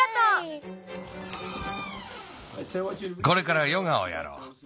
これからヨガをやろう。